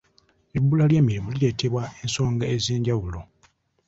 Ebbula ly'emirimu lireetebwa ensonga ez'enjawulo.